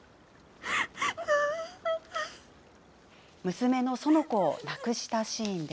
娘の園子を亡くしたシーン。